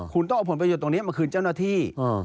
คุณต้องเอาผลประโยชน์ตรงนี้มาคืนเจ้าหน้าที่